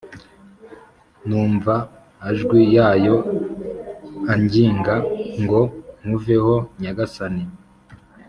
Numva ajwi yayo anginga ngo nkuveho nyagasani